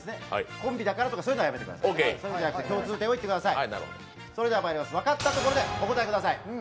コンビだからとかそういうのはやめてください、そういうのじゃなくて共通点を言ってください。